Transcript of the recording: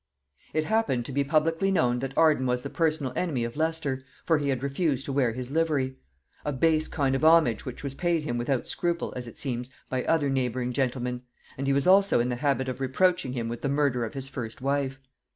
It happened to be publicly known that Arden was the personal enemy of Leicester, for he had refused to wear his livery; a base kind of homage which was paid him without scruple, as it seems, by other neighbouring gentlemen; and he was also in the habit of reproaching him with the murder of his first wife.